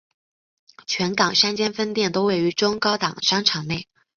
全港三间分店都位于中高档商场内。